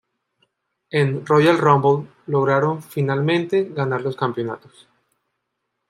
En Royal Rumble lograron finalmente ganar los campeonatos.